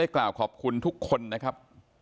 ขอบคุณทุกคนนะครับ